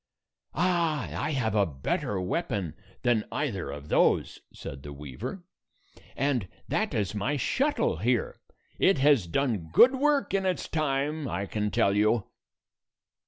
130 "Ah! I have a better weapon than either of those," said the weaver, "and that is my shuttle here. It has done good work in its time, I can tell you."